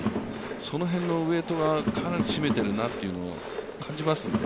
その辺のウエートがかなり占めているなというのを感じますね。